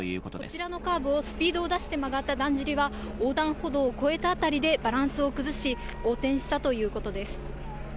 こちらのカーブをスピードを出して曲がっただんじりは横断歩道を越えたあたりでバランスを崩し、横転したということです。